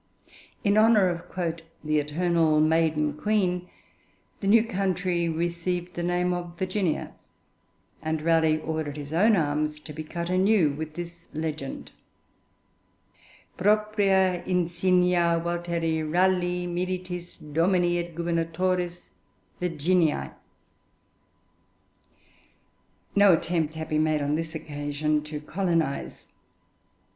In honour of 'the eternal Maiden Queen,' the new country received the name of Virginia, and Raleigh ordered his own arms to be cut anew, with this legend, Propria insignia Walteri Ralegh, militis, Domini et Gubernatoris Virginiæ. No attempt had been made on this occasion to colonise.